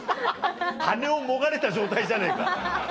羽をもがれた状態じゃねえか。